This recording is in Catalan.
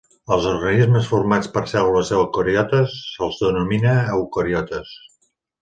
Als organismes formats per cèl·lules eucariotes se'ls denomina eucariotes.